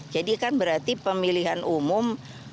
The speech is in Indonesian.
kan berarti pemilihan umum